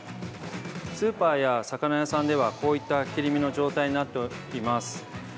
スーパーや魚屋さんではこういった切り身の状態になっています。